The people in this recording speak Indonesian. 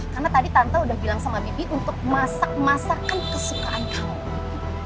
karena tadi tante udah bilang sama bibi untuk masak masakan kesukaan kamu